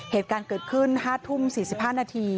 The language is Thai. เหตุการณ์เกิดขึ้น๕ทุ่ม๔๕นาที